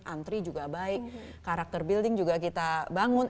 antri juga baik karakter building juga kita bangun